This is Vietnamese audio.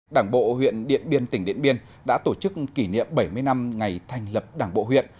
đảng bộ huyện điện biên tỉnh điện biên đã tổ chức kỷ niệm bảy mươi năm ngày thành lập đảng bộ huyện